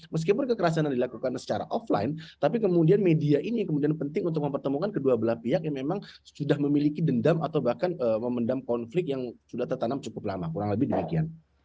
meskipun kekerasan yang dilakukan secara offline tapi kemudian media ini kemudian penting untuk mempertemukan kedua belah pihak yang memang sudah memiliki dendam atau bahkan memendam konflik yang sudah tertanam cukup lama kurang lebih demikian